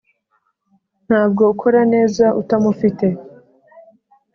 ntabwo ukora neza utamufite